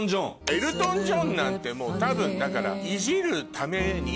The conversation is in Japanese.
エルトン・ジョンなんてもう多分だから。ぐらい。